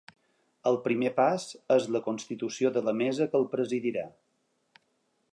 El primer pas és la constitució de la mesa que el presidirà.